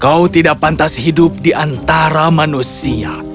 kau tidak pantas hidup di antara manusia